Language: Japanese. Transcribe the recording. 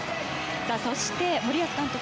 そして、森保監督。